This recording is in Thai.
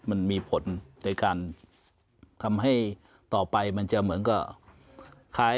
มันมีผลในการทำให้ต่อไปมันจะเหมือนกับคล้าย